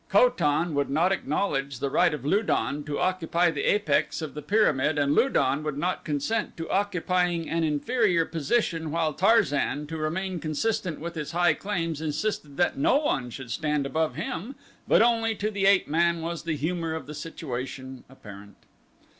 Ko tan would not acknowledge the right of Lu don to occupy the apex of the pyramid and Lu don would not consent to occupying an inferior position while Tarzan, to remain consistent with his high claims, insisted that no one should stand above him, but only to the ape man was the humor of the situation apparent.